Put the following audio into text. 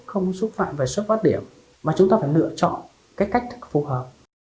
không xúc phạm về xuất phát điểm mà chúng ta phải lựa chọn cái cách thức phù hợp